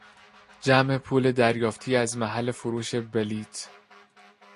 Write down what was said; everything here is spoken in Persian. جمع پول دریافتی از محل فروش بلیط